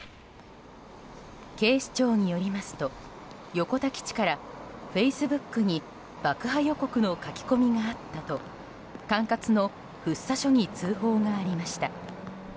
警視庁によりますと横田基地から、フェイスブックに爆破予告の書き込みがあったと管轄の福生署に通報がありました。